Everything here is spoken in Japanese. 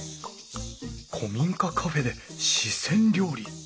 古民家カフェで四川料理。